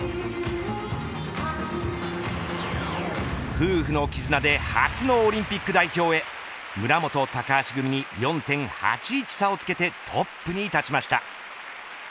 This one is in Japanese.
夫婦の絆で初のオリンピック代表へ村元・高橋組に４．８１差をつけてトップに立ちました。